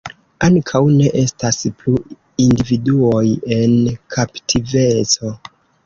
Ankaŭ ne estas plu individuoj en kaptiveco.